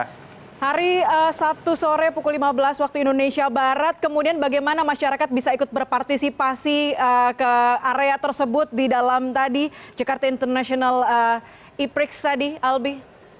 hari sabtu sore pukul lima belas waktu indonesia barat kemudian bagaimana masyarakat bisa ikut berpartisipasi ke area tersebut di dalam tadi jakarta international e prix tadi albi